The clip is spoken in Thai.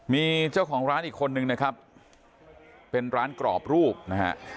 มีเจ้าของร้านอีกคนนึงนะครับเป็นร้านกรอบรูปนะฮะ